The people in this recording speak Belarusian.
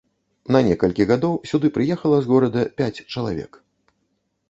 На некалькі гадоў сюды прыехала з горада пяць чалавек.